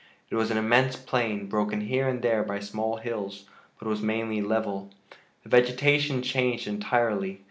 It was an immense plain, broken here and there by small hills, but was mainly level. The vegetation changed entirely.